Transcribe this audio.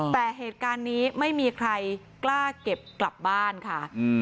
แต่เหตุการณ์นี้ไม่มีใครกล้าเก็บกลับบ้านค่ะ